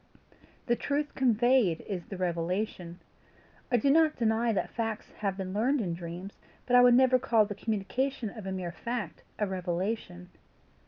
The truth conveyed is the revelation. I do not deny that facts have been learned in dreams, but I would never call the communication of a mere fact a revelation.